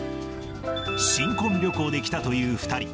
新婚旅行で来たという２人。